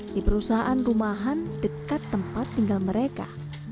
di perusahaan rumahan dekat tempat tinggal mereka